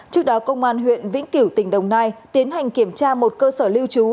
trước đó công an huyện vĩnh kiểu tỉnh đồng nai tiến hành kiểm tra một cơ sở lưu trú